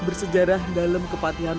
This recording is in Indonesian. bersejarah dalam kepatian